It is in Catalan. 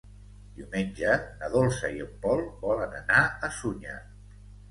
Diumenge na Dolça i en Pol volen anar a Sunyer.